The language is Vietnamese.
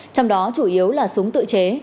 trong đó chủ yếu là súng tự chế